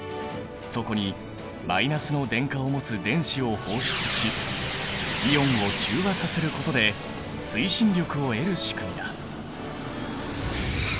そこにマイナスの電荷を持つ電子を放出しイオンを中和させることで推進力を得る仕組みだ。